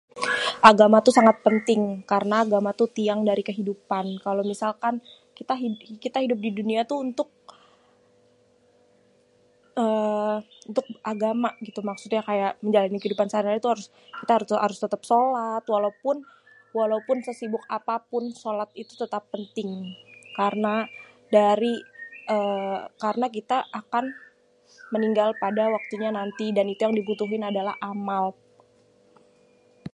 Agama tuh sangat penting, karna agama tuh tiang dari kehidupan. Kalo misalkan kita hidup di dunia untuk, ééé untuk agama gitu maksudnya kaya itu untuk menjalani kehidupan sehari-hari kita harus tétép solat walaupun, walaupun sé-sibuk apapun solat itu tetap penting, karna dari ééé karna kita akan méninggal pada waktunya nanti dan itu yang dibutuhin adalah amal.